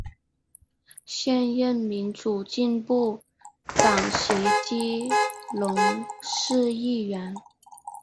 现任民主进步党籍基隆市议员。